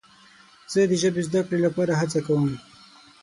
زه د ژبې زده کړې لپاره هڅه کوم.